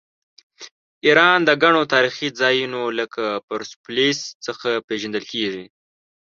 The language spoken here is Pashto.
ایران د ګڼو تاریخي ځایونو لکه پرسپولیس څخه پیژندل کیږي.